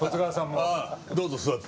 ああどうぞ座って。